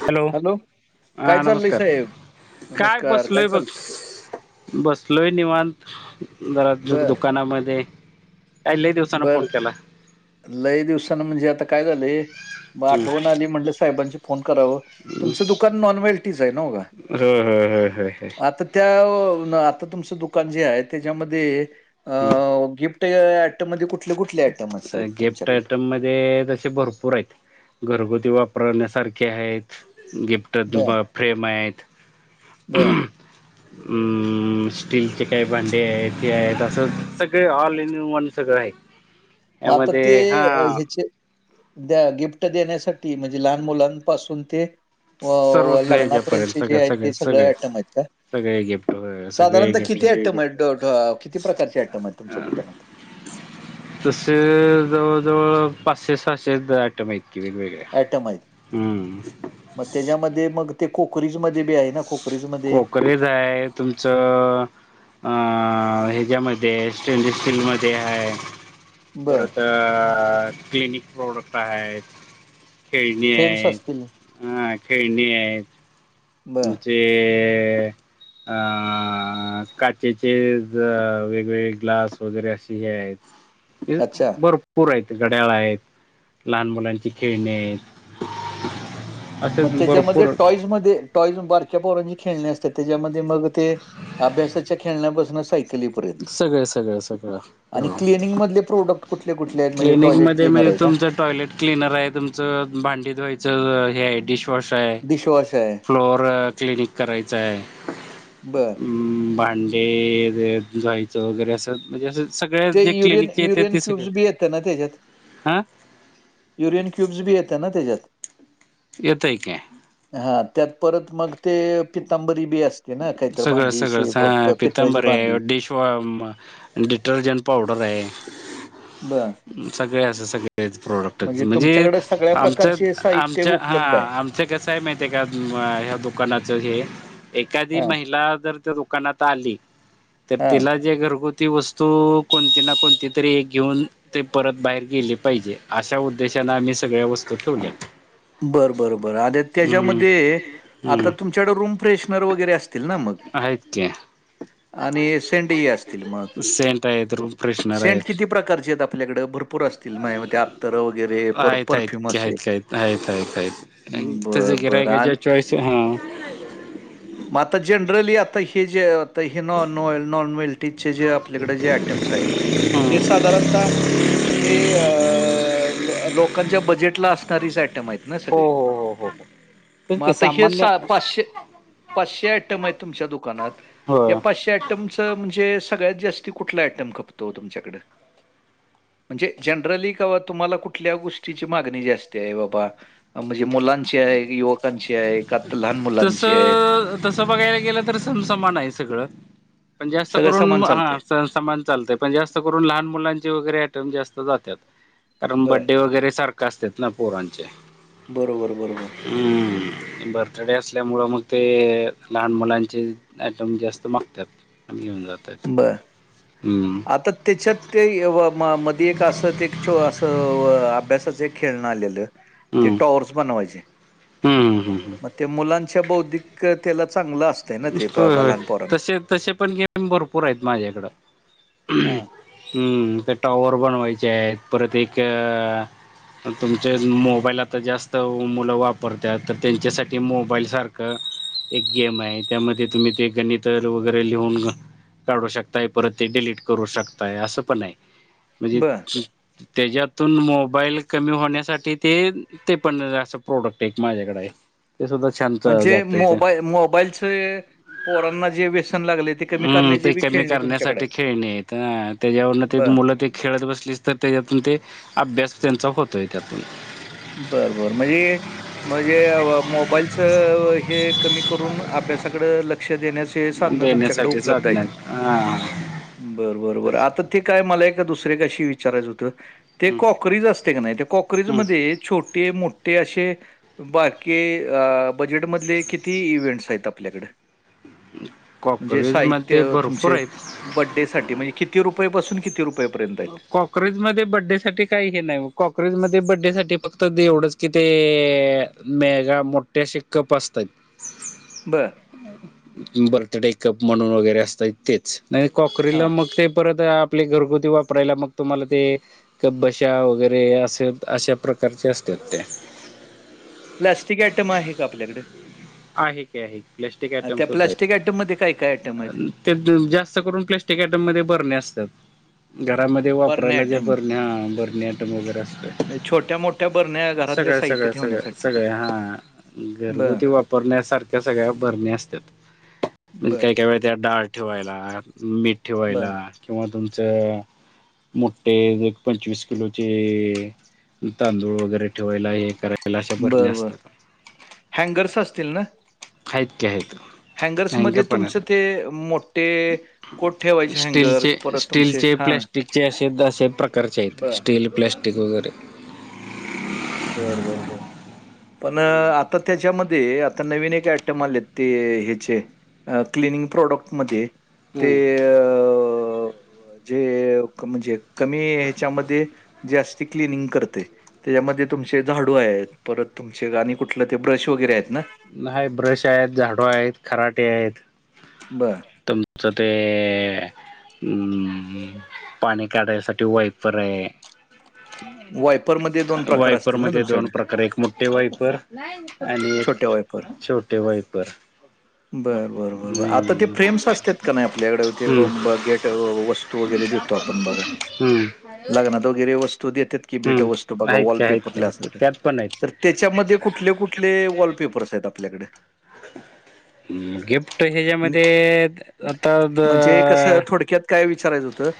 Hello... काय हा चाललंय नमस्कार... साहेब काय नमस्कार बसलोय बघ चाल बसलोय निवांत जरा दु... बर दुकानामध्ये काय लई दिवसानं बर फोण केला? लय दिवसानं म्हणजे... आता काय झालंय... मग आठवण आली म्हटलं साहेबांची फोन करावं... तुमचं दुकान नॉनवेल्टीचं ए... नव्ह होय होय होय होय का? त्या... आता तुमचं दुकान जे हाये... त्याच्यामध्ये.. अं... गिफ्ट त्या मधे कुठले कुठले? आयटम आहेत साहेब गिफ्ट तुमच्याकडे आयटम मध्ये तसे भरपूर पुर हेत... घरगुती वापरण्यासारखे हेत... गिफ्ट... बर ब... फ्रेम हेत. ऊ... बर हम्म. हू... स्टीलचे काही भांडे आहे... ते आहेत... असं सगळे ऑल इन वन सगळं हाये. मग आता ते... ह्याचे द्या... गिफ्ट देण्यासाठी... म्हणजे लहान मुलांपासून ते अं... सर्वच ह्याच्यापर्यंत लग्नापर्यंतचे जे सगळं हायेत... ते सगळे आयटम हायेत काय? सगळे गिफ्ट... होय. साधारणत... किती आयटम हेत... ड... ड... किती प्रकारचे आयटम हेत तुमच्या दुकानात? तसे... जवळजवळ.... पाचशे सहाशे आयटम हायेत की वेगळे वेगळे. आयटम हेत.. मग त्याच्यामध्ये मग ते कोकरीज मध्ये बी हाये ना? कोकरीज मध्ये कोकरीज हाये... तुमचं अ अ ह्याच्यामध्येये स्टेनलेस स्टीलमध्येये. ब परत अ क्लिनिक प्रोडक्ट आहेत. खेळणी फ्रेम्स असतील आहेत हा खेळणी आहेत. ब तुमचे आआआ अ काचेचे ज वेगवेगळे ग्लास वगैरे असे हे आहेत. हे अच्छा बर [unintelligible] पूर आहेत घड्याळ आहेत लहान मुलांची खेळणे आहेत. मग असेच त्याच्यामध्ये भरपूर टॉईजमध्ये टॉईज बारक्या पोरांची खेळणे अस तर त्याच्यामध्ये मग ते अभ्यासाच्या खेळण्यापासून सायकलीपर्यंत सगळ सगळं सगळं हो ंगेमिंग मधले प्रोडक्ट कुठले कुठले? आहेत म्हणजे टॉयलेट क्लिनिकमध्ये मिळ- क्लिनर आहे म्हणजे का तुमचं टॉयलेट क्लनर आहे तुमचं भांडी धुवायचं हे आहे डिश फ्लश आहे डिशवॉश आहे फ्लोअर क्लिन करायच आहे. बर अमम भांजे जायचं वगैरे असंच म्हणजे असंच सगळ्यात जे क्लिनिक येते ते सगळ त्यांना त्याज्यात हा. युरियन क्युब्ज बी येते ना त्याज्यात येतय की. हा त्यात परत मग ते पितांबरी बी अस सगळं सगळं हा पितांबरी आहे भांडी. डिश वॅश अ म डिटर्जन्ट पावडर आहे. बर. सगळे असं सगळेच प्रोडक्टये म्हणजे तुमच्याकडे सगळ्या आमचं प्रकारचे साहित्य आमच्या हा उपलब्ध आहे. आमचं कसं आहे माहित आहे का ह्या दुकानाचं हे एखादी हां, महिला जर त्या दुकानात आली तर हां. तिला जे घरगु ती वस्तू कोणती ना कोणती तरी एक घेऊन ते परत बाहेर गेले पाहिजे अशा उद्देशानने आम्ही सगळ्या वस्तू ठेवल्या. बर बरं बर आणि हम्म त्याच्यामध्ये हम्म आता तुमच्याकड रूम फ्रेशनर वगैरे असतील ना मग आहेत की आणि सेंटही असतील मग. सेंट आहेेत रूमफ्रेश सेंट किती प्रकारचे आहेत आपल्याकडें भरपूर असतील माझ्या मते आत्तरं वगैरे पर आहेत आहेत परफ्यूम की आहेत असेल की आहेत आहेत तस बरं, बरं गिराहाईकाच्या चॉईस हां म आता जनरली आता हे जे हे नॉन नॉन वल्टीचे जे आपल्याकडे जे आयटम्स आहेत हे साधारणतः हे अ लोकांच्या बजेटला असणारी सा आयटम आहेत ना हो सगळे हो हो हो तेच मग की आता हे सामान्य पाचशे पाचशे आयटम आहेत तुमच्या दुकानात या होय पाचशे आट टम म्हणजे सगळ्यात जास्ती कुठला आयटम खपतो तुमच्याकडे? म्हणजे जनरली कावा तुम्हाला कुठल्या गोष्टीची मागणी जास्ती आहे बाबा म्हणजे मुलांची आहे युवकांची आहे का आता लहान मुलांची आहे. तस बघायला गेलं तर समसमान आहे सगळ पण जास्त सगळं करून सामान हा चालतंय सम समान चालतय पण जास्त करून लहान मुलांचे वगैरे आयटम जास्त जात्यात. कारण बर बड्डे वगैरे सारखे असतात ना पोरांचे बरोबर बरोबर हम्म बर्थडे असल्यामुळं मग ते लहान मुलांचे आयटम जास्त मागत्यात आम्ही घेऊन जातय [unintelligible] हम्म आता तेच्यात ते अ व म म मधी एक असं ते छो असं अ अभ्यासाचं खेळणं आलेलं ते टॉवर्स बनवायचे हूं हम्म हम्म मग ते मुलांच्या बौद्धिक तेला चांगलं असतय न ते ब लहान पोरांना ते तसे पण गेम भरपूर आहेत माझ्याकड हां. हम्म ते टॉवर बनवायचे आहेत परत एक अ म तुमचेच मोबाईल आता जास्त मुलं वापरत्यात तर त्यांच्यासाठी मोबाईल सारखं एक गेम आय त्यामध्ये तुम्ही ते गणित वगैरे लिहून काढू शकताय परत ते डिलीट करू शकताय असं पण हाय म्हणजे बरं त्याज्यातून मोबाईल कमी होण्यासाठी ते ते पण असं प्रोडक्ट एक माझ्याकड हाय ते सुद्धा छान म्हणजे मोबा मोबाईलचे पोरांना जे व्यसन लागले ते कमी अम्म करण्याची ते बी कमी खेळणी तुमच्याकडे करण्यासाठी आहेत. खेळणी येत त्याच्यावरन ते बर मुलं ते खेळत बसलीस त त्याज्यातून ते अभ्यास त्यांचा होतोय त्यातून बर बर मजे मजे मोबाईलच हे कमी करून अभ्यासाकड लक्ष देण्यास ते साधना तुमच्याकड देण्यासाठी उपलब्ध साधण्या हाईती. हा बर बर बर त्याची आता ते काय मला एका दुसर एक अशी विचारायचं होतं ते हम्म कॉकरीज असतय का नाय त्या हम्म कॉकरीजमध्ये छोटे मोठे असे बाकी अ बजेटमधले किती इव्हेंट्स हाईत आपल्याकड म्हणजे कॉक्रोच मध्ये साहित्य भरपूर तुमचे आहेत बडे साठी म्हणजे किती रुपये पासून कित अ कॉक रीजमध्ये बड्डेसाठी काय हे नाय ओ कॉकेजमध्ये बड्डेसाठी फक्त ते एवढंच की ते अ मेगा मोठे असे कप असताईत बर बर्थडेकप म्हणून वगैरे असताईत ते नाही हां. कॉकरीला मग ते परत अ आपले घरगुती वाप वापरायला मग तुम्हाला ते कपबशा वगैरे असे अशा प्रकारचे असत्यात ते प्लॅस्टिक आयटम आहे का आपल्याकड आहे की आहे की प्लॅस्टिक आयटम त्या सुद्धा येत प्लास्टिक आयटममध्ये काय-काय आयटम आहेत? त्यात जास्त करून प्लॅस्टिक आयटम मध्ये भरण्या असत्यात. घरामध्ये बरण्या वापरायला ज्या आयटम, बरण्या बरणी आटम वगैरे असत्यात म्हणजे छोट्या-मोठ्या बरण्या घरातले सगळ्या साहित्य सगळ्या सगळ्या ठेवण्यासाठी. सगळ्या हा बरं, घरगुती वाप वापरण्यासारख्या सगळ्या भरण्या असत्यात मंग बरं, काय काय वेळेत त्या डाळ ठेवायला मीठ बरं, ठेवायला किंवा तुमचं मोठे एक पंचवीस किलोचे तांदूळ वगैरे ठेवायला हे करायला अशा भरण्या बरं, बरं. असत्यात. हँगर्स असतील न हाय का हेत? हँगर्स मध्ये तुमचं ते... मोठे कोट ठेवायचे हँगर्स स्टीलचे परत तुमचे स्टीलचे हा [unintelligible] असे असे प्रकारचे हेत... स्टील प्लॅस्टिक वगैरे बर बर बर. पण आता त्याच्यामध्ये.... आता नवीन एक आयटम आलेत... ते ह्याचे अं.... क्लिनिंग प्रोडक्ट मध्ये... ते हम्म अं... जे... म्हणजे कमी ह्याच्यामध्ये.... जास्ती क्लिनिंग करतय त्याच्यामध्ये तुमचे झाडू आहेत.... परत तुमचे आणि कुठलं ते ब्रश वगैरे हेत ना? न्हाई... ब्रश आहेत, झाडू आहेत, खराटे आहेत. बरं. तुमचं ते हम्म... पाणी काढायसाठी वाईपर ए. वायपरमध्ये प्रकार वायपर असतील ना मध्ये दोन तुमच्याकडे? प्रकार.. एक मोठे वायपर आणि एक छोट्या वायपर. छोटे वायपर. बरं बरं बर बर. आता ते हम्म फ्रेम्स असत्यात का नाई आपल्याकडं... ते हम्म बंब... गेट... वस्तू वगैरे देतो तो आपण बघा हूं. लग्नात वगैरे वस्तू देतेत ती भे.. ट.. वस्तू हम्म बघा... आहेत वॉल काय आहेत पेपरला काय त्यात असत्यात... पण आहेत तर त्याच्यामधे कुठले कुठ कुठले वॉलपेपर्स हाये आपल्याकडं? गिफ्ट... नि ह्याच्यामध्ये आता.. द म्हणजे कसं थोडक्यात काय विचारायचं होतं?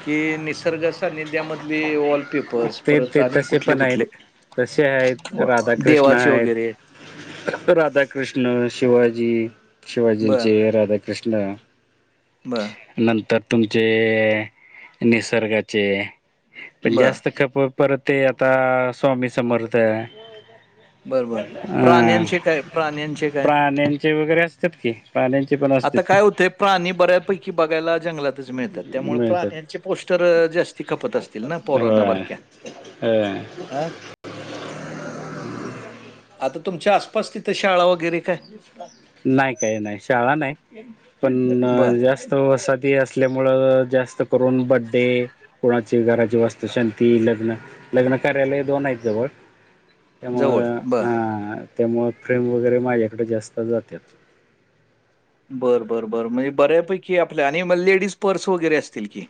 कि... निसर्ग सान्निध्यामधले वॉलपेपर्स... ते परत... ते आणि तसे कुठले पण आहेत कुठले? तसे हायेत... राधाकृष्ण हायेत. वगैरे. फक्त राधा कृष्ण... शिवाजी... बरं, शिवाजींचे... राधा कृष्ण बरं, नंतर तुमचे... निसर्गाचे... पण बरं, जास्त खप परत... ते आता... स्वामी समर्थ ए बरं, बरं. अं.... प्राण्यांचे काय प्राण्यांचे काय? प्राण्यांचे वगैरे अस असतात की.. प्राण्यांचे पण आता असत्यात की. काय होतंय प्राणी... बऱ्यापैकी बघायला जंगलात तच मिळतात.. त्यामुळे.... मिळतात प्राण्यांची पोस्टरं... जास्ती खपत असतील ना... पोरांना बारक्या हा हं. आता तुमच्या आसपास तिथं... शाळा वगैरे काय? नाय... काय नाई... शाळा नाई... बर पण जास्त वस ते असल्यामुळं... जास्त करून बर्थडे कुणाची घराची वस्तुशांती... लग्न... लग्न-कार्यालये दोन हायेत जवळ जवळ त्यामुळं.. बर आ... त्यामुळं... फ्रेम वगैरे... माझ्याकडे जास्त जात्यात. बरं बरं बरं... म्हणजे बऱ्यापैकी आपल्या... आणि मग... लेडीज पर्स वगैरे असतील की?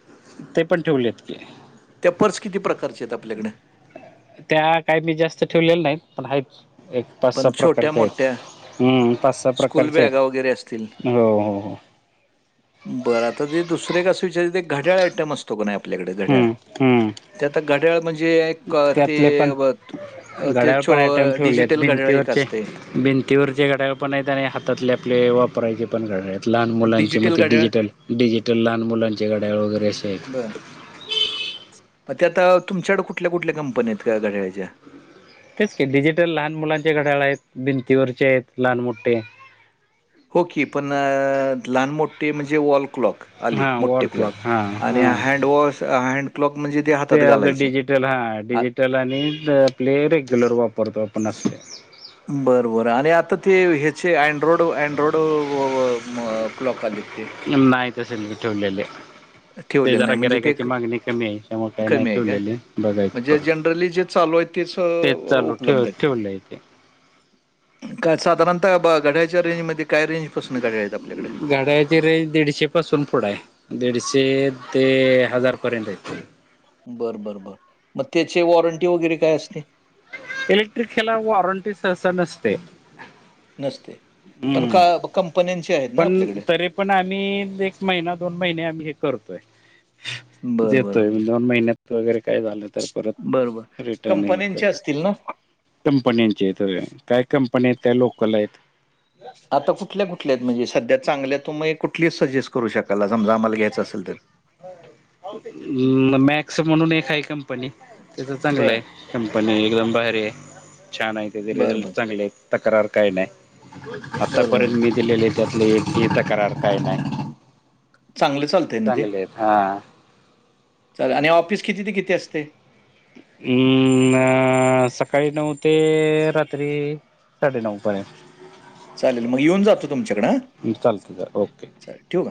ते पण ठेवलेत की त्या पर्स किती प्रकारचे हायेत आपल्याकडं? त्या... काही मी जास्त ठेवलेल्या नाहीत... पण हायेत... एक पाच पण सहा छोट्या प्रकारचे हायेत. मोठ्या हम्म... पाच सहा... स्कूल प्रकारचे हायेत... बॅगा वगैरे असतील हो हो हो. बरं... आता ते दुसरे एक असं विचारायचं... घड्याळ आयटम असतो का नाई आपल्याकडं... घड्याळ? हम्म हम्म ते आता घड्याळ म्हणजे... एक... ते... त्यातले पण अं... ते... घड्याळ पण छो... आयटम अं... ठेवले डिजिट आहेत टल घड्याळ एक भिंतीवरचे असतय भिंतीवरचे घड्याळ पण येत त्या आणि हातातले आपले वापरायचे पण घड्याळ येत लहान मुलांचे म डिजिटल ते घड्याळ डिजिटल डिजिटल लहान मुलांचे घड्याळ वगैरे असे येत म ते आता तुमकड कुठल्या कुठल्या कंपन्या येत हया घड्याळाच्या हेच की डिजिटल लहान मुलांचे घड्याळ आयेत भिंतीवरचे आयेत लहान मोठे हो की पण अ लहान मोठे म्हणजे वॉल क्लॉक आली हां मोठे वॉल क्लॉक हां आणि हां हँडवॉश हँड क्लॉक म्हणजे ते हातात घालायचे त्याल हा आ- डिजिटल आणि आपले रेग्युलर वापरतो आपण असले बरं बरं आणि आता ते ह्याचे अँड्रॉरोड अँड्रॉरोड व व म क्लॉक आलेत ते नाय तस नय ठेवलेले ते ठेवलेलं जरा नाही म्हणजे ते गिरायकाची क- मागणी कमी हाय त्यामुळ काय नाय कमी आहे का ठेवलेले बघायचे म्हणजे परत जनरली जे चालू आहे अ, तेच चालू ठेव उपलब्ध आहेत ठेवलय ते काय साधारणतः ब घड्याळाच्या रेंजमध्ये काय रेंज पासन घड्याळ येत आपल्याकड त रेंज दीडशेपासून पुढ हाय दीडशे ते हजारपर्यंत हायत बरं बरं बर म त्याचे वॉरंटी वगैरे काय असते. इलेक्ट्रिक हेला वॉरंटी सहसा नसते. नसते पण हम्म का कंपन्यांचे आहेत ना पण आपल्याकड तरी पण आम्ही एक महिना दोन महिने आम्ही हे करतोय. बर बर देतोय दोन महिन्यात वगैरे काय झालं तर बर बर परत रिटर्न हे कंपन्यांचे कर असतील ना कंपन्यांचे आहेत होय. काय कंपन्या आहेत काय लोकल आहेत. आता कुठल्या कुठल्या आहेत म्हणजे सध्या चांगल्या तुम्ही कुठली सजेस्ट करू शकाल समजा आम्हाला ए हम् मॅक्स म्हणून एक हाय कंपनी त्याज बर चांगलंय कंपनी एकदम भारी हाय छान हाय त्याज बर रिझल्ट बर चांगलेयेत तक्रार काय नाय बर बर आतापर्यंत मी दिलेले ये त्यातले एकही तक्रार काय नाय. चांगलं चालं चांगलेयेत हा चाललं आणि ऑफिस किती ते किती असते. अम्म्म्म्म न सकाळी नऊ ते रात्री साडे नऊ पर्यंत चालेल म येऊन जातो तुमच्याकड हां चालतं ओके चालेल ठेवू का?